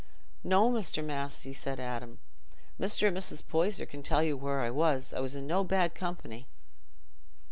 "No, Mr. Massey," said Adam. "Mr. and Mrs. Poyser can tell you where I was. I was in no bad company."